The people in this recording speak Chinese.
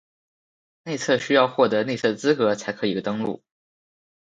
内测需要获得内测资格才可以登录